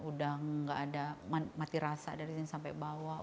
udah nggak ada mati rasa dari sini sampai bawah